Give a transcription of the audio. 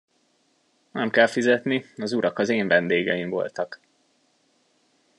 Nem kell fizetni, az urak az én vendégeim voltak.